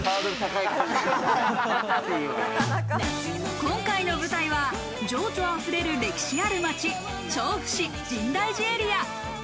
今回の舞台は情緒あふれる歴史ある街、調布市・深大寺エリア。